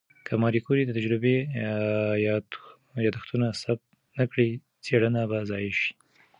که ماري کوري د تجربې یادښتونه ثبت نه کړي، څېړنه به ضایع شي.